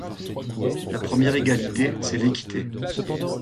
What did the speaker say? La première égalité, c’est l’équité.